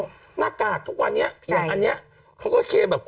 จะหมดแล้วหน้ากากทุกวันเนี้ยอย่างอันเนี้ยเขาก็เชยแบบ